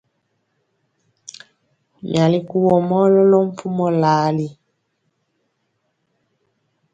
Myali kuvɔ mɔ lɔlɔ mpumɔ lali.